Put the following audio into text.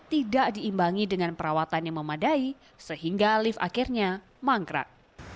tidak diimbangi dengan perawatan yang memadai sehingga lift akhirnya mangkrak